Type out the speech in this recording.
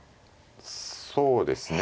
そうですね。